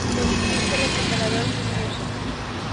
Orificio recuperador sin uso.